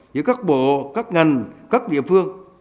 giữa các bộ các ngành các địa phương